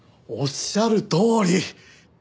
おっしゃるとおり。